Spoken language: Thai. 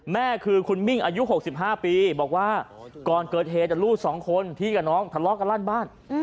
แม่คือคุณมิ่งอายุ๖๕ปีบอกว่าก่อนเกิดเหตุลูก๒คนพี่กับน้องทะเลาะกันลั่นบ้าน